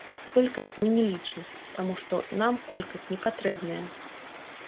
Колькасць мы не лічым, таму што нам колькасць не патрэбная.